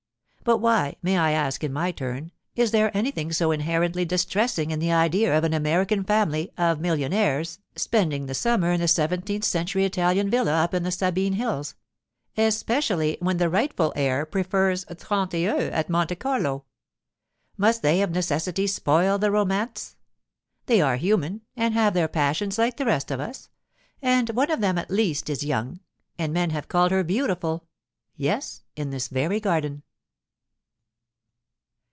But why, may I ask in my turn, is there anything so inherently distressing in the idea of an American family (of millionaires) spending the summer in a seventeenth century Italian villa up in the Sabine hills—especially when the rightful heir prefers trente et un at Monte Carlo? Must they of necessity spoil the romance? They are human, and have their passions like the rest of us; and one of them at least is young, and men have called her beautiful—yes, in this very garden.